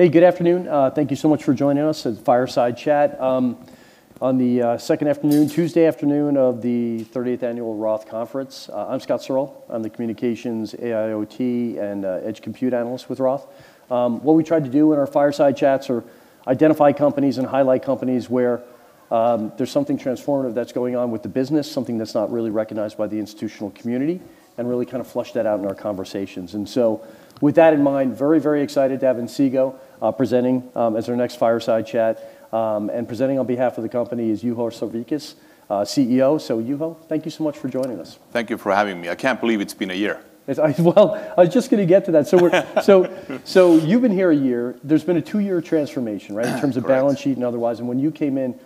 Hey, good afternoon. Thank you so much for joining us at Fireside Chat on the second afternoon, Tuesday afternoon of the 38th Annual Roth Conference. I'm Scott Searle. I'm the communications, AIoT, and edge compute analyst with Roth. What we try to do in our Fireside Chats are identify companies and highlight companies where there's something transformative that's going on with the business, something that's not really recognized by the institutional community, and really kind of flesh that out in our conversations. With that in mind, very, very excited to have Inseego presenting as our next Fireside Chat, and presenting on behalf of the company is Juho Sarvikas, CEO. So Juho, thank you so much for joining us. Thank you for having me. I can't believe it's been a year. Well, I was just gonna get to that. You've been here a year. There's been a two-year transformation, right? Correct. In terms of balance sheet and otherwise, and when you came in,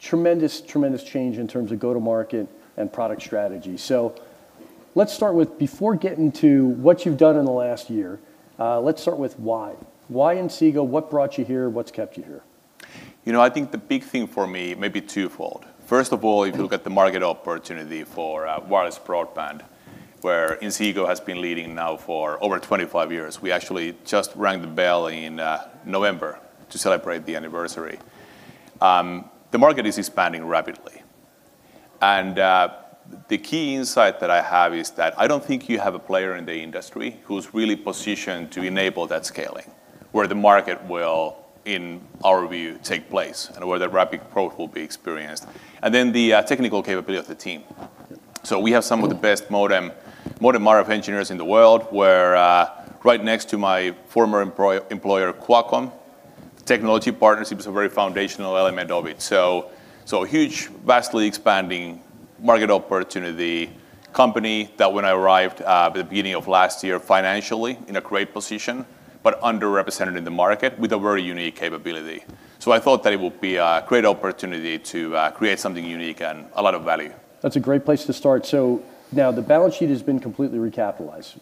tremendous change in terms of go-to-market and product strategy. Let's start with why. Why Inseego? What brought you here? What's kept you here? You know, I think the big thing for me may be twofold. First of all. Mm-hmm If you look at the market opportunity for wireless broadband, where Inseego has been leading now for over 25 years. We actually just rang the bell in November to celebrate the anniversary. The market is expanding rapidly, and the key insight that I have is that I don't think you have a player in the industry who's really positioned to enable that scaling, where the market will, in our view, take place and where the rapid growth will be experienced. Then the technical capability of the team. So we have some- Mm-hmm ...of the best modem RF engineers in the world. We're right next to my former employer, Qualcomm. Technology partnership is a very foundational element of it. Huge, vastly expanding market opportunity. Company that when I arrived at the beginning of last year financially in a great position, but underrepresented in the market with a very unique capability. I thought that it would be a great opportunity to create something unique and a lot of value. That's a great place to start. Now the balance sheet has been completely recapitalized.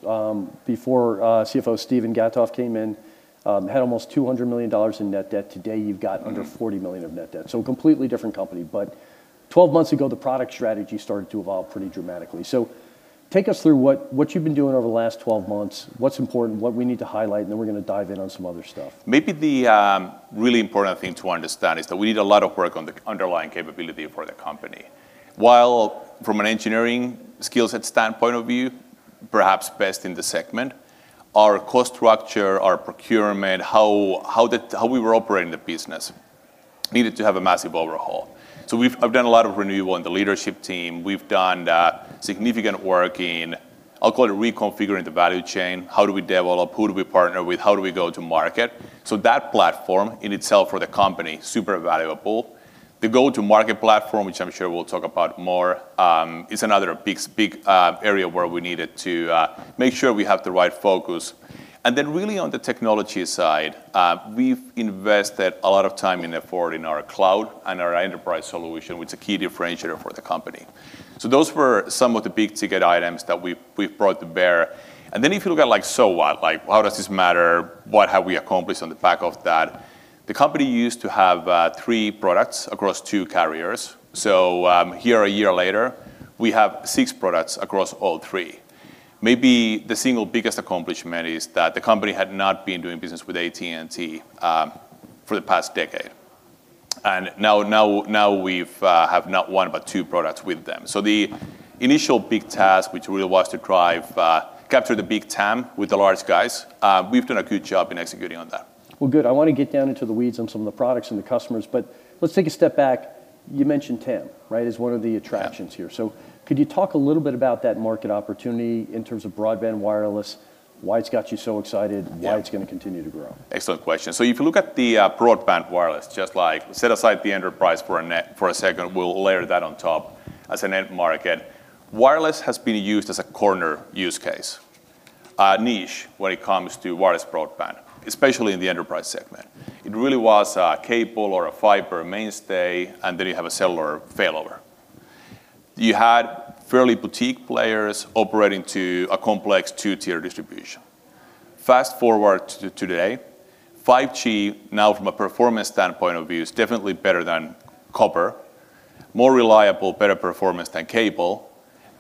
Before CFO Steven Gatoff came in, had almost $200 million in net debt. Today you've got under $40 million of net debt. A completely different company. Twelve months ago, the product strategy started to evolve pretty dramatically. Take us through what you've been doing over the last 12 months, what's important, what we need to highlight, and then we're gonna dive in on some other stuff. Maybe the really important thing to understand is that we did a lot of work on the underlying capability for the company. While from an engineering skill set standpoint of view, perhaps best in the segment, our cost structure, our procurement, how we were operating the business needed to have a massive overhaul. I've done a lot of renewal in the leadership team. We've done significant work in, I'll call it reconfiguring the value chain. How do we develop? Who do we partner with? How do we go to market? That platform in itself for the company, super valuable. The go-to-market platform, which I'm sure we'll talk about more, is another big area where we needed to make sure we have the right focus. Then really on the technology side, we've invested a lot of time and effort in our cloud and our enterprise solution, which is a key differentiator for the company. Those were some of the big-ticket items that we've brought to bear. Then if you look at, like, so what? Like, how does this matter? What have we accomplished on the back of that? The company used to have three products across two carriers. Here a year later, we have six products across all three. Maybe the single biggest accomplishment is that the company had not been doing business with AT&T for the past decade. Now we've have not one but two products with them. The initial big task, which really was to drive capture the big TAM with the large guys, we've done a good job in executing on that. Well, good. I wanna get down into the weeds on some of the products and the customers, but let's take a step back. You mentioned TAM, right, as one of the attractions here. Yeah. Could you talk a little bit about that market opportunity in terms of broadband wireless, why it's got you so excited? Yeah Why it's gonna continue to grow? Excellent question. If you look at the broadband wireless, just like set aside the enterprise for a second. We'll layer that on top as a net market. Wireless has been used as a corner use case, a niche when it comes to wireless broadband, especially in the enterprise segment. It really was a cable or a fiber mainstay, and then you have a cellular failover. You had fairly boutique players operating to a complex two-tier distribution. Fast-forward to today, 5G now from a performance standpoint of view is definitely better than copper, more reliable, better performance than cable,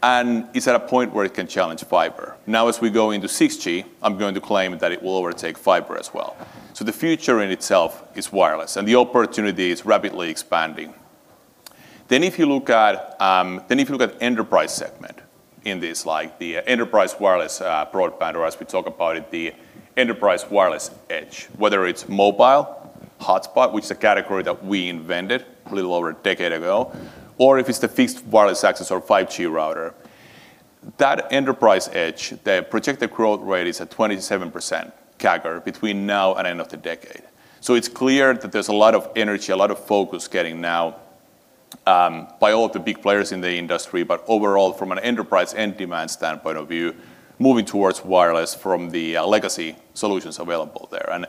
and it's at a point where it can challenge fiber. Now as we go into 6G, I'm going to claim that it will overtake fiber as well. The future in itself is wireless, and the opportunity is rapidly expanding. If you look at enterprise segment in this, like the enterprise wireless broadband, or as we talk about it, the enterprise wireless edge, whether it's mobile hotspot, which is a category that we invented a little over a decade ago, or if it's the Fixed Wireless Access or 5G router, that enterprise edge, the projected growth rate is at 27% CAGR between now and end of the decade. It's clear that there's a lot of energy, a lot of focus getting now by all of the big players in the industry, but overall from an enterprise end demand standpoint of view, moving towards wireless from the legacy solutions available there.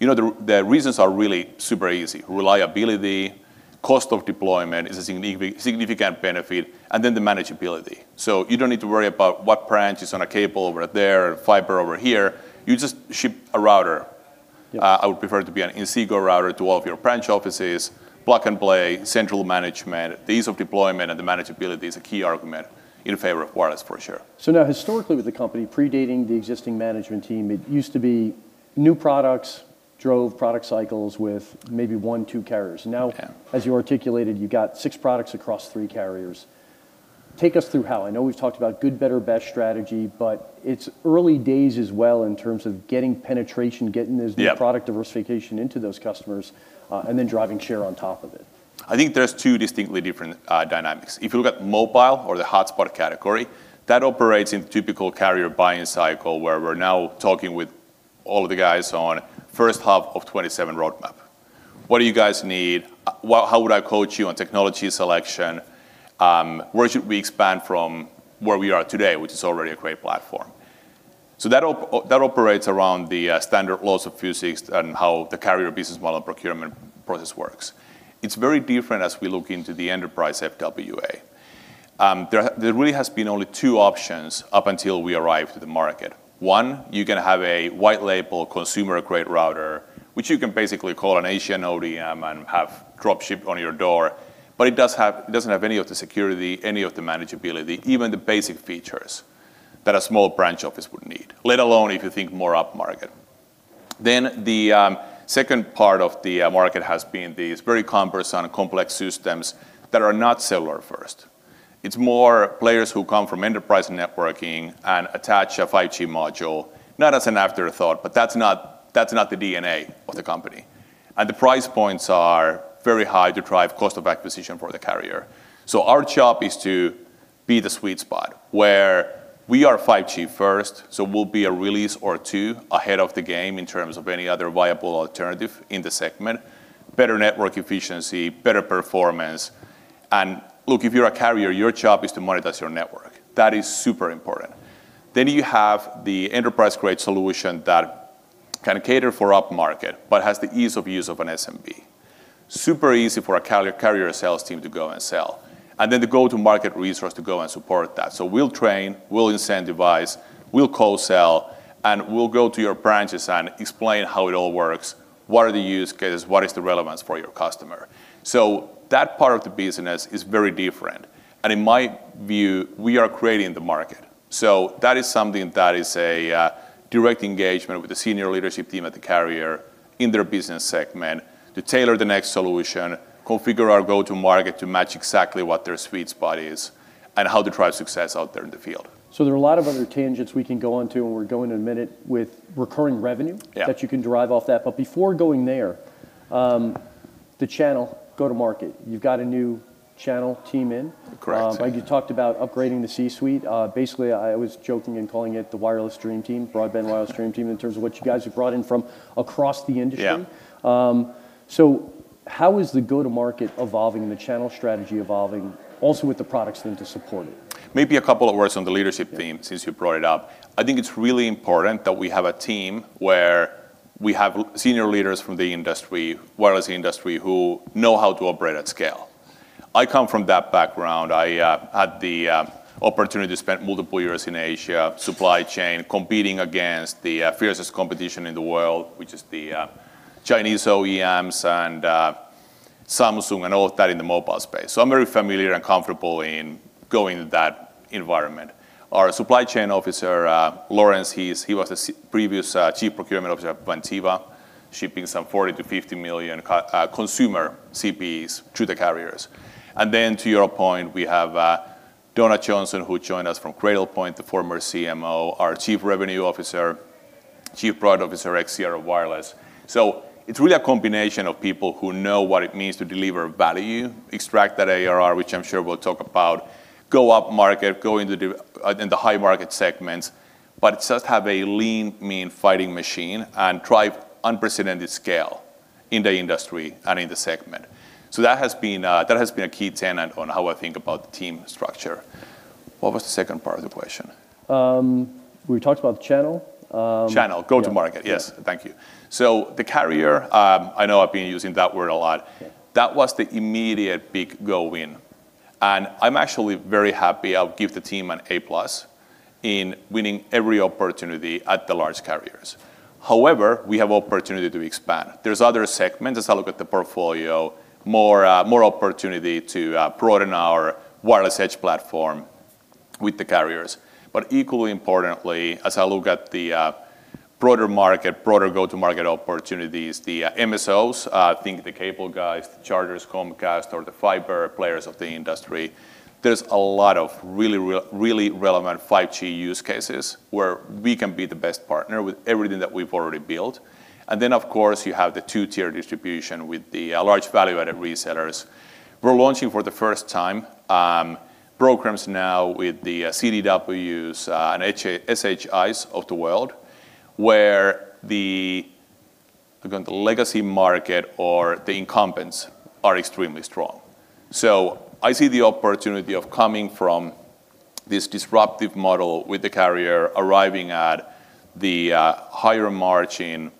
You know, the reasons are really super easy. Reliability, cost of deployment is a significant benefit, and then the manageability. You don't need to worry about what branch is on a cable over there, fiber over here. You just ship a router. Yeah. I would prefer it to be an Inseego router to all of your branch offices, plug and play, central management. The ease of deployment and the manageability is a key argument in favor of wireless for sure. Now historically with the company predating the existing management team, it used to be new products drove product cycles with maybe one, two carriers. Yeah. Now, as you articulated, you've got six products across three carriers. Take us through how. I know we've talked about good, better, best strategy, but it's early days as well in terms of getting penetration, getting this. Yeah... new product diversification into those customers, and then driving share on top of it. I think there's two distinctly different dynamics. If you look at mobile or the hotspot category, that operates in typical carrier buying cycle, where we're now talking with all of the guys on first half of 2027 roadmap. What do you guys need? Well, how would I coach you on technology selection? Where should we expand from where we are today, which is already a great platform? So that operates around the standard laws of physics and how the carrier business model procurement process works. It's very different as we look into the enterprise FWA. There really has been only two options up until we arrived to the market. One, you can have a white label consumer-grade router, which you can basically call an Asian ODM and have drop shipped on your door. It doesn't have any of the security, any of the manageability, even the basic features that a small branch office would need. Let alone if you think more upmarket. The second part of the market has been these very cumbersome and complex systems that are not cellular first. It's more players who come from enterprise networking and attach a 5G module, not as an afterthought, but that's not the DNA of the company. The price points are very high to drive cost of acquisition for the carrier. Our job is to be the sweet spot where we are 5G first, so we'll be a release or two ahead of the game in terms of any other viable alternative in the segment, better network efficiency, better performance. Look, if you're a carrier, your job is to monetize your network. That is super important. You have the enterprise-grade solution that can cater for upmarket but has the ease of use of an SMB. Super easy for a carrier sales team to go and sell. The go-to-market resource to go and support that. We'll train, we'll incentivize, we'll co-sell, and we'll go to your branches and explain how it all works, what are the use cases, what is the relevance for your customer. That part of the business is very different. In my view, we are creating the market. That is something that is a direct engagement with the senior leadership team at the carrier in their business segment to tailor the next solution, configure our go-to-market to match exactly what their sweet spot is, and how to drive success out there in the field. There are a lot of other tangents we can go into, and we'll go in a minute with recurring revenue. Yeah... that you can drive off that. Before going there, the channel go-to-market, you've got a new channel team in. Correct. You talked about upgrading the C-suite. Basically, I was joking and calling it the wireless dream team, broadband wireless dream team in terms of what you guys have brought in from across the industry. Yeah. How is the go-to-market evolving and the channel strategy evolving also with the products then to support it? Maybe a couple of words on the leadership team since you brought it up. I think it's really important that we have a team where we have senior leaders from the industry, wireless industry, who know how to operate at scale. I come from that background. I had the opportunity to spend multiple years in Asia, supply chain, competing against the fiercest competition in the world, which is the Chinese OEMs and Samsung and all of that in the mobile space. I'm very familiar and comfortable in going to that environment. Our Supply Chain Officer, Lawrence, he was previous Chief Procurement Officer at Vantiva, shipping some 40-50 million consumer CPEs to the carriers. To your point, we have Donna Johnson, who joined us from Cradlepoint, the former CMO, our Chief Revenue Officer, Chief Product Officer at Sierra Wireless. It's really a combination of people who know what it means to deliver value, extract that ARR, which I'm sure we'll talk about, go upmarket, go into the high market segments, but it does have a lean, mean fighting machine and drive unprecedented scale in the industry and in the segment. That has been a key tenet on how I think about the team structure. What was the second part of the question? We talked about the channel. Channel. Yeah. Go-to-market. Yes. Thank you. The carrier, I know I've been using that word a lot. Yeah. That was the immediate big go win. I'm actually very happy. I'll give the team an A+ in winning every opportunity at the large carriers. However, we have opportunity to expand. There's other segments, as I look at the portfolio, more opportunity to broaden our wireless edge platform with the carriers. But equally importantly, as I look at the broader market, broader go-to-market opportunities, the MSOs, like the cable guys, the Charter, Comcast, or the fiber players of the industry, there's a lot of really relevant 5G use cases where we can be the best partner with everything that we've already built. Of course, you have the two-tier distribution with the large value-added resellers. We're launching for the first time programs now with the CDWs and SHIs of the world, where again the legacy market or the incumbents are extremely strong. I see the opportunity of coming from this disruptive model with the carrier arriving at the higher margin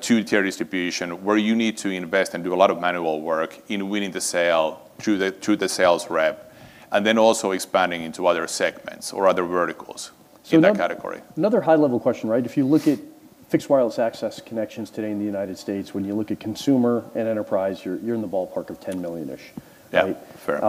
two-tier distribution, where you need to invest and do a lot of manual work in winning the sale through the sales rep, and then also expanding into other segments or other verticals. That category. Another high-level question, right? If you look at Fixed Wireless Access connections today in the United States, when you look at consumer and enterprise, you're in the ballpark of 10 million-ish. Yeah. Fair.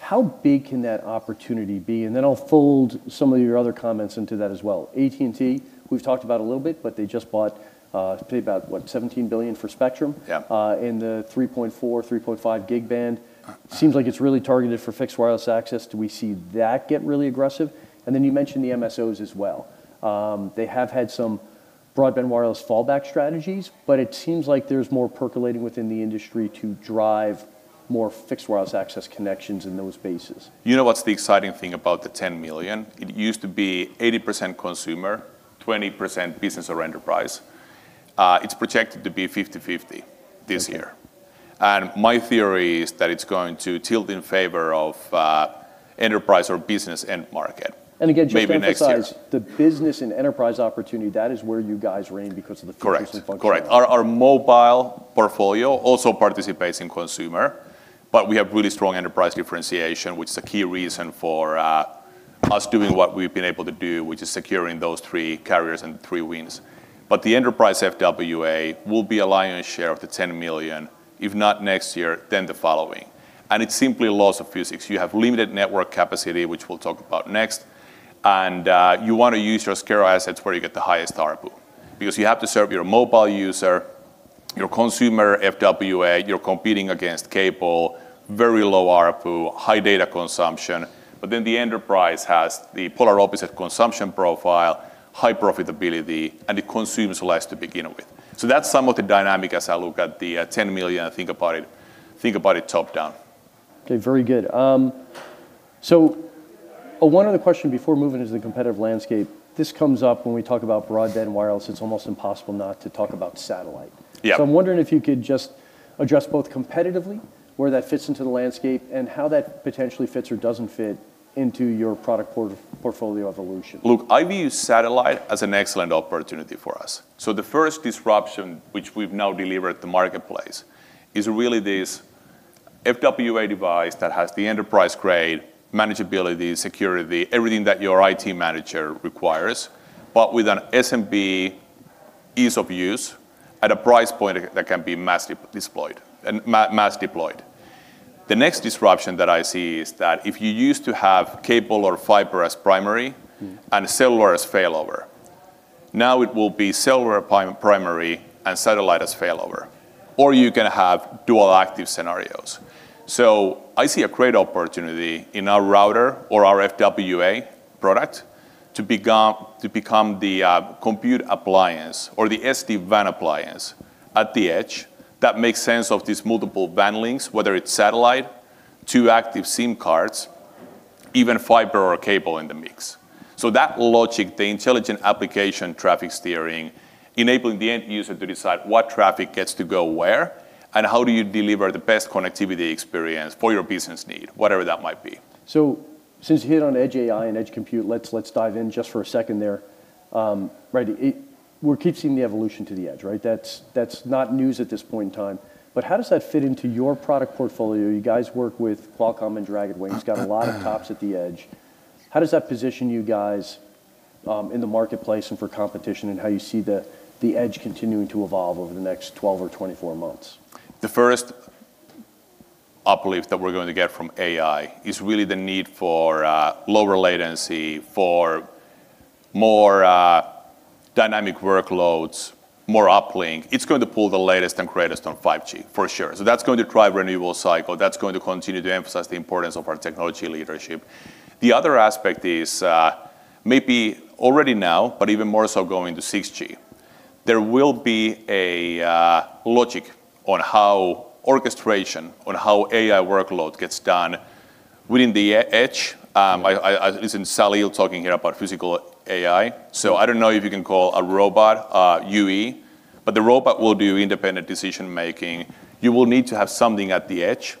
How big can that opportunity be? Then I'll fold some of your other comments into that as well. AT&T, we've talked about a little bit, but they just paid about, what, $17 billion for spectrum. Yeah... in the 3.4-3.5 GHz band. Uh. Seems like it's really targeted for Fixed Wireless Access. Do we see that get really aggressive? You mentioned the MSOs as well. They have had some broadband wireless fallback strategies, but it seems like there's more percolating within the industry to drive more Fixed Wireless Access connections in those bases. You know what's the exciting thing about the 10 million? It used to be 80% consumer, 20% business or enterprise. It's projected to be 50-50 this year. My theory is that it's going to tilt in favor of enterprise or business end market. Again, just to emphasize. Maybe next year. the business and enterprise opportunity, that is where you guys reign because of the features and functionality. Correct. Our mobile portfolio also participates in consumer, but we have really strong enterprise differentiation, which is a key reason for us doing what we've been able to do, which is securing those three carriers and three wins. The enterprise FWA will be a lion's share of the 10 million, if not next year, then the following. It's simply laws of physics. You have limited network capacity, which we'll talk about next, and you wanna use your scarce assets where you get the highest ARPU. Because you have to serve your mobile user, your consumer FWA, you're competing against cable, very low ARPU, high data consumption. The enterprise has the polar opposite consumption profile, high profitability, and it consumes less to begin with. That's some of the dynamic as I look at the 10 million and think about it top-down. Okay, very good. One other question before moving into the competitive landscape. This comes up when we talk about broadband wireless, it's almost impossible not to talk about satellite. Yeah. I'm wondering if you could just address both competitively, where that fits into the landscape, and how that potentially fits or doesn't fit into your product portfolio evolution? Look, I view satellite as an excellent opportunity for us. The first disruption, which we've now delivered to marketplace, is really this FWA device that has the enterprise-grade manageability, security, everything that your IT manager requires, but with an SMB ease of use at a price point that can be mass deployed. The next disruption that I see is that if you used to have cable or fiber as primary- Mm... cellular as failover, now it will be cellular primary and satellite as failover. You can have dual active scenarios. I see a great opportunity in our router or our FWA product to become the compute appliance or the SD-WAN appliance at the edge that makes sense of these multiple WAN links, whether it's satellite, two active SIM cards, even fiber or cable in the mix. That logic, the intelligent application traffic steering, enabling the end user to decide what traffic gets to go where, and how do you deliver the best connectivity experience for your business need, whatever that might be. Since you hit on edge AI and edge compute, let's dive in just for a second there. Right, we keep seeing the evolution to the edge, right? That's not news at this point in time. But how does that fit into your product portfolio? You guys work with Qualcomm and uncertain. It's got a lot of TOPS at the edge. How does that position you guys in the marketplace and for competition and how you see the edge continuing to evolve over the next 12 or 24 months? The first uplift that we're going to get from AI is really the need for lower latency, for more dynamic workloads, more uplink. It's going to pull the latest and greatest on 5G, for sure. That's going to drive renewal cycle. That's going to continue to emphasize the importance of our technology leadership. The other aspect is maybe already now, but even more so going to 6G, there will be a logic on how orchestration, on how AI workload gets done within the edge. I listen to Jensen Huang talking here about physical AI. So I don't know if you can call a robot a UE, but the robot will do independent decision-making. You will need to have something at the edge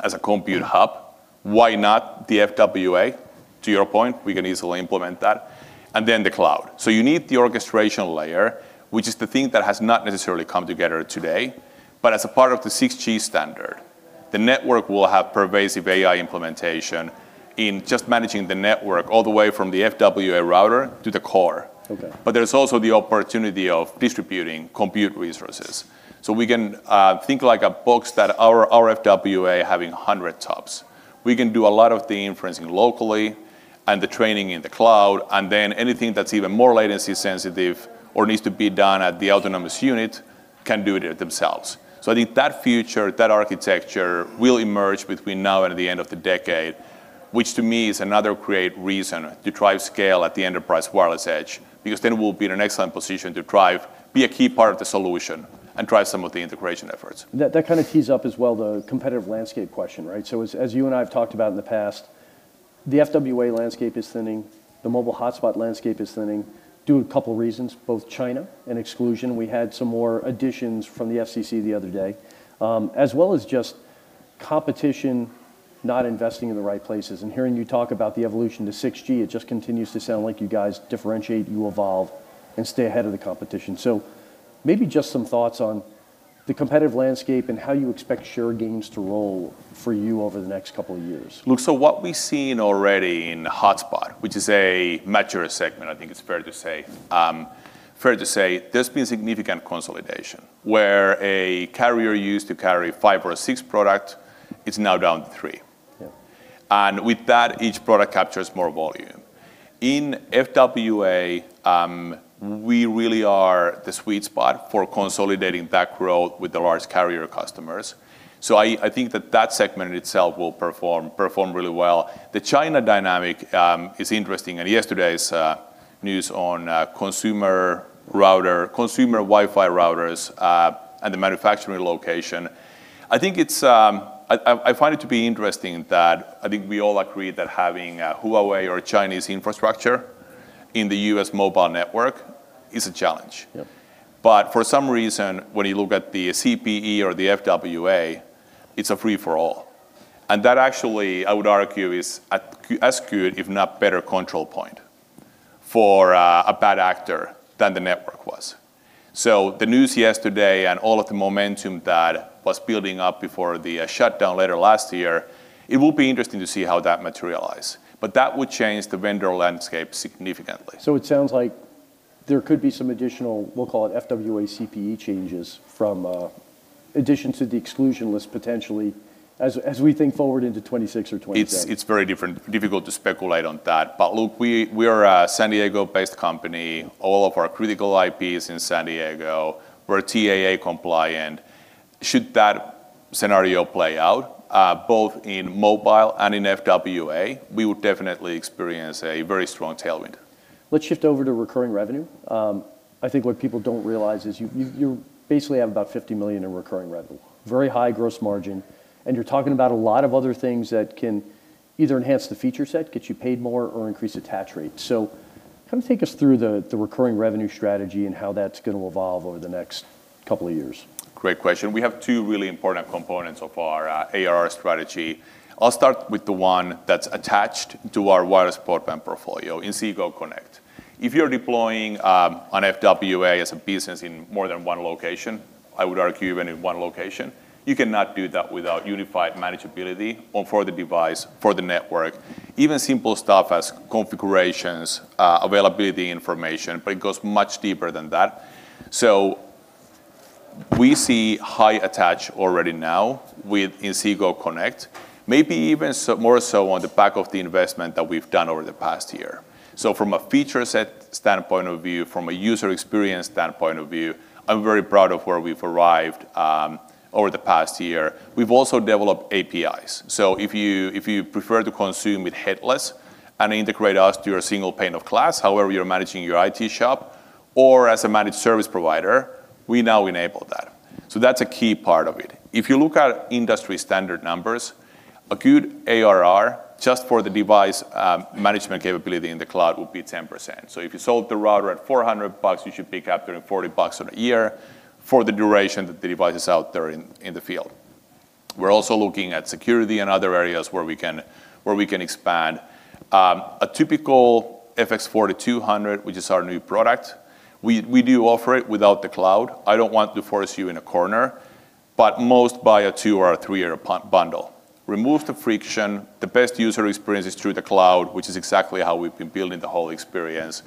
as a compute hub. Why not the FWA? To your point, we can easily implement that. Then the cloud. You need the orchestration layer, which is the thing that has not necessarily come together today. As a part of the 6G standard, the network will have pervasive AI implementation in just managing the network all the way from the FWA router to the core. Okay. There's also the opportunity of distributing compute resources. We can think like a box that our FWA having 100 TOPS. We can do a lot of the inferencing locally and the training in the cloud, and then anything that's even more latency sensitive or needs to be done at the autonomous unit can do it themselves. I think that future, that architecture will emerge between now and the end of the decade, which to me is another great reason to drive scale at the enterprise wireless edge, because then we'll be in an excellent position to drive, be a key part of the solution, and drive some of the integration efforts. That kind of tees up as well the competitive landscape question, right? As you and I have talked about in the past, the FWA landscape is thinning, the mobile hotspot landscape is thinning, due to a couple reasons, both China and exclusion. We had some more additions from the FCC the other day. As well as just competition not investing in the right places. Hearing you talk about the evolution to 6G, it just continues to sound like you guys differentiate, you evolve, and stay ahead of the competition. Maybe just some thoughts on the competitive landscape and how you expect share gains to roll for you over the next couple of years. Look, what we've seen already in hotspot, which is a mature segment, I think it's fair to say, there's been significant consolidation where a carrier used to carry five or six product, it's now down to three. Yeah. With that, each product captures more volume. In FWA, we really are the sweet spot for consolidating that growth with the large carrier customers. I think that that segment in itself will perform really well. The China dynamic is interesting, and yesterday's news on consumer router, consumer Wi-Fi routers, and the manufacturing location. I find it to be interesting that I think we all agree that having a Huawei or Chinese infrastructure in the U.S. mobile network is a challenge. Yeah. For some reason, when you look at the CPE or the FWA, it's a free-for-all. That actually, I would argue, is as good, if not better control point for a bad actor than the network was. The news yesterday and all of the momentum that was building up before the shutdown later last year, it will be interesting to see how that materialize. That would change the vendor landscape significantly. It sounds like there could be some additional, we'll call it FWA CPE changes from addition to the exclusion list potentially as we think forward into 2026 or 2027. It's very difficult to speculate on that. Look, we're a San Diego-based company. All of our critical IP is in San Diego. We're TAA compliant. Should that scenario play out, both in mobile and in FWA, we would definitely experience a very strong tailwind. Let's shift over to recurring revenue. I think what people don't realize is you basically have about $50 million in recurring revenue, very high gross margin, and you're talking about a lot of other things that can either enhance the feature set, get you paid more, or increase attach rate. Kind of take us through the recurring revenue strategy and how that's gonna evolve over the next couple of years. Great question. We have two really important components of our ARR strategy. I'll start with the one that's attached to our wireless broadband portfolio, Inseego Connect. If you're deploying an FWA as a business in more than one location, I would argue even in one location, you cannot do that without unified manageability or for the device, for the network. Even simple stuff as configurations, availability information, but it goes much deeper than that. We see high attach already now with Inseego Connect, maybe even more so on the back of the investment that we've done over the past year. From a feature set standpoint of view, from a user experience standpoint of view, I'm very proud of where we've arrived over the past year. We've also developed APIs. If you prefer to consume with headless and integrate us to your single pane of glass, however you're managing your IT shop, or as a managed service provider, we now enable that. That's a key part of it. If you look at industry standard numbers, a good ARR just for the device management capability in the cloud would be 10%. If you sold the router at $400, you should pick up $30, $40 on a year for the duration that the device is out there in the field. We're also looking at security and other areas where we can expand. A typical FW2000, which is our new product, we do offer it without the cloud. I don't want to force you in a corner, but most buy a two or three year bundle. Removes the friction. The best user experience is through the cloud, which is exactly how we've been building the whole experience.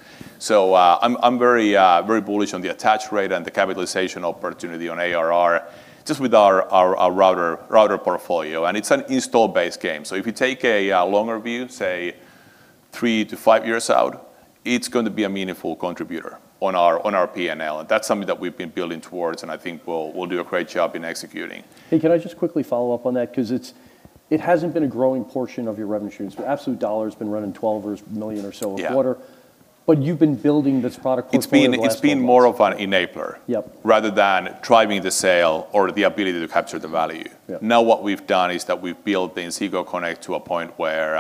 I'm very bullish on the attach rate and the capitalization opportunity on ARR just with our router portfolio, and it's an install-based game. If you take a longer view, say 3-5 years out, it's going to be a meaningful contributor on our P&L, and that's something that we've been building towards, and I think we'll do a great job in executing. Hey, can I just quickly follow up on that? 'Cause it hasn't been a growing portion of your revenue streams. The absolute dollar's been running $12 million or so a quarter. Yeah. You've been building this product for the last 12 months. It's been more of an enabler. Yep rather than driving the sale or the ability to capture the value. Yeah. Now what we've done is that we've built the Inseego Connect to a point where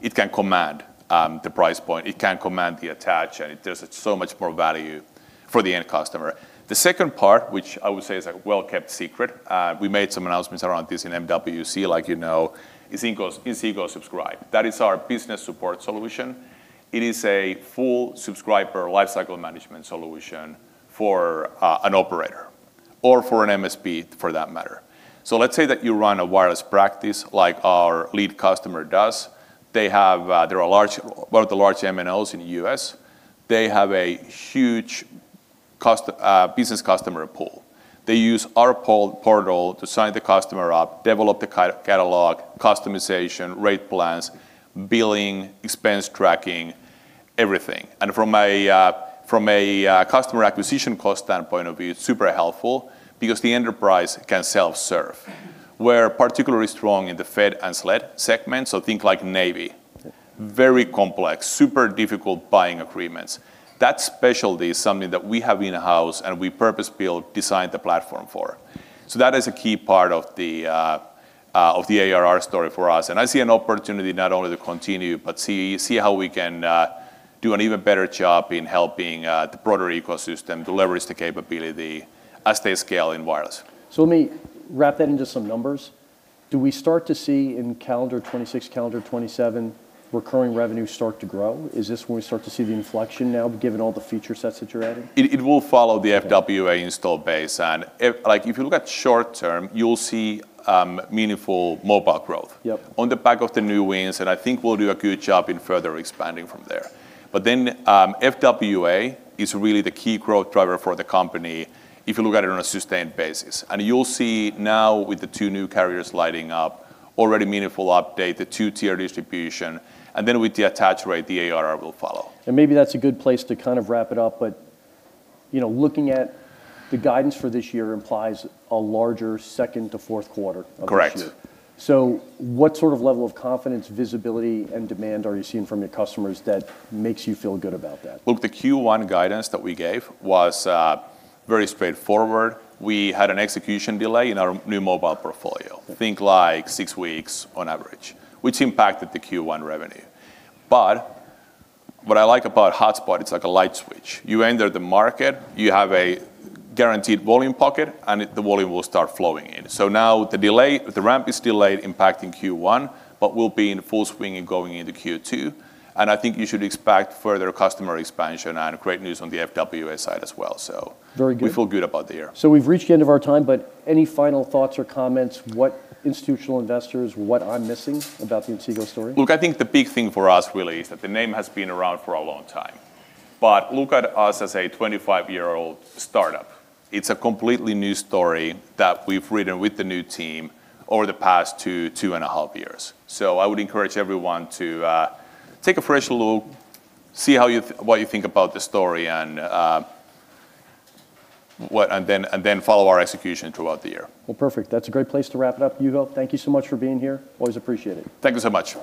it can command the price point, it can command the attach, and there's so much more value for the end customer. The second part, which I would say is a well-kept secret, we made some announcements around this in MWC, like, you know, Inseego Subscribe. That is our business support solution. It is a full subscriber lifecycle management solution for an operator or for an MSP for that matter. Let's say that you run a wireless practice like our lead customer does. They're a large one of the large MNOs in the U.S. They have a huge business customer pool. They use our portal to sign the customer up, develop the catalog, customization, rate plans, billing, expense tracking, everything. From a customer acquisition cost standpoint of view, it's super helpful because the enterprise can self-serve. We're particularly strong in the Fed and SLED segment, so think like Navy. Yeah. Very complex, super difficult buying agreements. That specialty is something that we have in-house, and we purpose-built designed the platform for. That is a key part of the ARR story for us. I see an opportunity not only to continue, but see how we can do an even better job in helping the broader ecosystem to leverage the capability as they scale in wireless. Let me wrap that into some numbers. Do we start to see in calendar 2026, calendar 2027 recurring revenue start to grow? Is this when we start to see the inflection now given all the feature sets that you're adding? It will follow the FWA install base. If, like, you look at short term, you'll see meaningful mobile growth- Yep On the back of the new wins, and I think we'll do a good job in further expanding from there. FWA is really the key growth driver for the company if you look at it on a sustained basis. You'll see now with the two new carriers lighting up already meaningful uptake, the two-tier distribution, and then with the attach rate, the ARR will follow. Maybe that's a good place to kind of wrap it up. You know, looking at the guidance for this year implies a larger second to fourth quarter of this year. Correct. What sort of level of confidence, visibility, and demand are you seeing from your customers that makes you feel good about that? Look, the Q1 guidance that we gave was very straightforward. We had an execution delay in our new mobile portfolio, think like 6 weeks on average, which impacted the Q1 revenue. What I like about hotspot, it's like a light switch. You enter the market, you have a guaranteed volume pocket, and it the volume will start flowing in. Now the delay, the ramp is delayed impacting Q1, but we'll be in full swing in going into Q2, and I think you should expect further customer expansion and great news on the FWA side as well. Very good. We feel good about the year. We've reached the end of our time, but any final thoughts or comments, what institutional investors, what I'm missing about the Inseego story? Look, I think the big thing for us really is that the name has been around for a long time. Look at us as a 25-year-old startup. It's a completely new story that we've written with the new team over the past two and a half years. I would encourage everyone to take a fresh look, see what you think about the story, and then follow our execution throughout the year. Well, perfect. That's a great place to wrap it up, Juho. Thank you so much for being here. Always appreciate it. Thank you so much.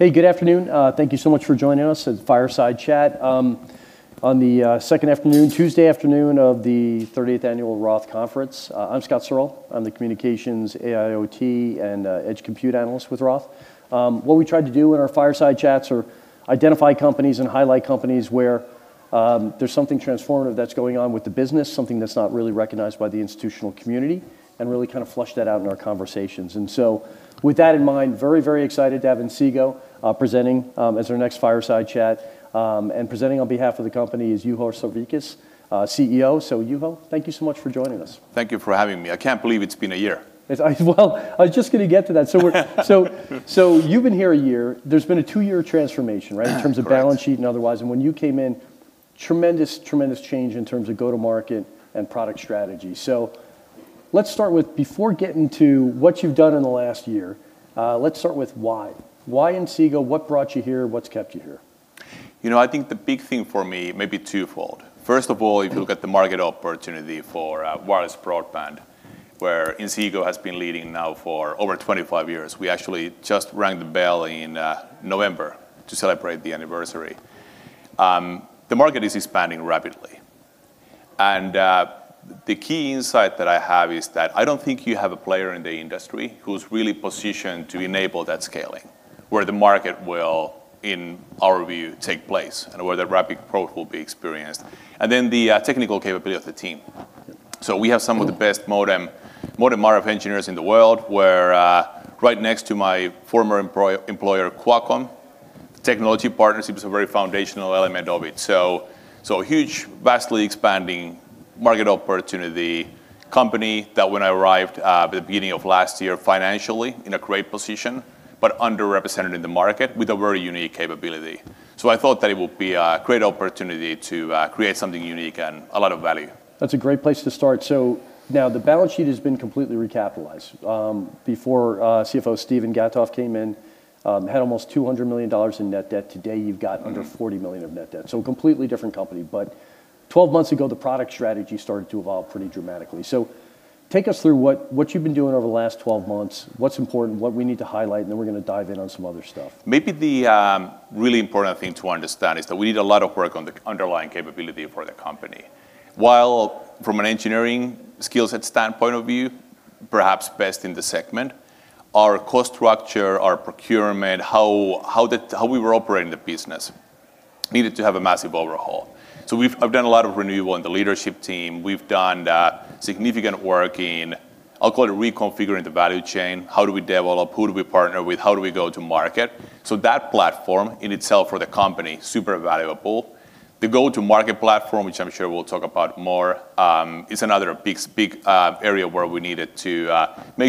Oh, okay. Hey, good afternoon. Thank you so much for joining us at Fireside Chat on the second afternoon, Tuesday afternoon of the 38th Annual Roth Conference. I'm Scott Searle. I'm the communications AIoT and edge compute analyst with Roth. What we try to do in our Fireside Chats are identify companies and highlight companies where there's something transformative that's going on with the business, something that's not really recognized by the institutional community, and really kind of flush that out in our conversations. With that in mind, very, very excited to have Inseego presenting as our next Fireside Chat. Presenting on behalf of the company is Juho Sarvikas, CEO. Juho, thank you so much for joining us. Thank you for having me. I can't believe it's been a year. Well, I was just gonna get to that. You've been here a year. There's been a two-year transformation, right? Yeah, correct. In terms of balance sheet and otherwise, and when you came in, tremendous change in terms of go-to-market and product strategy. Let's start with why. Why Inseego? What brought you here? What's kept you here? You know, I think the big thing for me may be twofold. First of all, if you look at the market opportunity for wireless broadband, where Inseego has been leading now for over 25 years. We actually just rang the bell in November to celebrate the anniversary. The market is expanding rapidly, and the key insight that I have is that I don't think you have a player in the industry who's really positioned to enable that scaling, where the market will, in our view, take place and where the rapid growth will be experienced. Then the technical capability of the team. We have some of the best modem RF engineers in the world. We're right next to my former employer, Qualcomm. Technology partnership is a very foundational element of it. Huge, vastly expanding market opportunity. company that when I arrived at the beginning of last year financially in a great position, but underrepresented in the market with a very unique capability. I thought that it would be a great opportunity to create something unique and a lot of value. That's a great place to start. Now the balance sheet has been completely recapitalized. Before CFO Steven Gatoff came in, had almost $200 million in net debt. Today, you've got under $40 million of net debt. A completely different company. Twelve months ago, the product strategy started to evolve pretty dramatically. Take us through what you've been doing over the last 12 months, what's important, what we need to highlight, and then we're gonna dive in on some other stuff. Maybe the really important thing to understand is that we did a lot of work on the underlying capability for the company. While from an engineering skill set standpoint of view, perhaps best in the segment, our cost structure, our procurement, how we were operating the business needed to have a massive overhaul. I've done a lot of renewal in the leadership team. We've done significant work in, I'll call it reconfiguring the value chain. How do we develop, who do we partner with? How do we go to market? That platform in itself for the company, super valuable. The go-to-market platform, which I'm sure we'll talk about more, is another big area where we needed to make.